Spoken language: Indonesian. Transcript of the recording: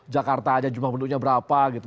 jakarta aja jumlah penduduknya berapa gitu